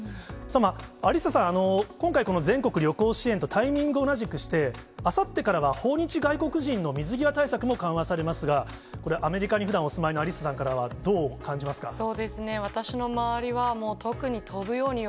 アリッサさん、今回、全国旅行支援とタイミングを同じくして、あさってからは訪日外国人の水際対策も緩和されますが、これ、アメリカにふだんお住まいのアリそうですね。